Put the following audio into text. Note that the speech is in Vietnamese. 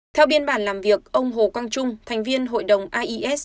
theo biên bản làm việc ông hồ quang trung thành viên hội đồng ais